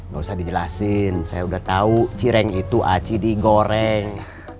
gak usah dijelasin saya udah tahu cireng itu aci digoreng